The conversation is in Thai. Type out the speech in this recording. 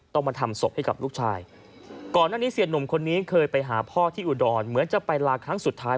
ต้องมาทำศพให้กับลูกชายก่อนหน้านี้เสียหนุ่มคนนี้เคยไปหาพ่อที่อุดรเหมือนจะไปลาครั้งสุดท้าย